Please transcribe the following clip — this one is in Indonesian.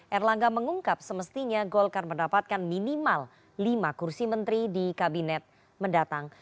erlangga mengungkap semestinya golkar mendapatkan minimal lima kursi menteri di kabinet mendatang